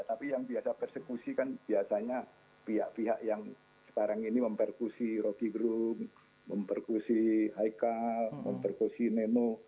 tapi yang biasa persekusi kan biasanya pihak pihak yang sekarang ini memperkusi roky gerung memperkusi haikal memperkusi neno